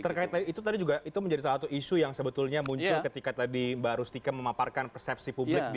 terkait itu tadi juga itu menjadi salah satu isu yang sebetulnya muncul ketika tadi mbak rustika memaparkan persepsi publik